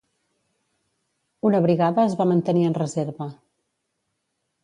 Una brigada es va mantenir en reserva.